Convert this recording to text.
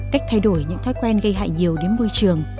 cách thay đổi những thói quen gây hại nhiều đến môi trường